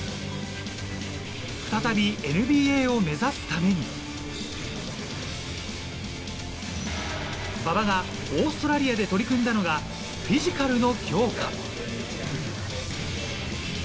再びＮＢＡを目指すために、馬場がオーストラリアで取り組んだのがフィジカルの強化。